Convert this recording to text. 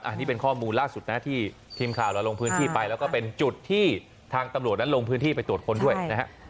อันนี้เป็นข้อมูลล่าสุดนะที่ทีมข่าวเราลงพื้นที่ไปแล้วก็เป็นจุดที่ทางตำรวจนั้นลงพื้นที่ไปตรวจค้นด้วยนะฮะ